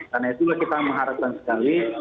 karena itu kita mengharapkan sekali